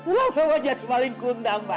ulah semuanya jadi paling gundang authentic apa